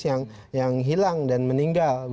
yang hilang dan meninggal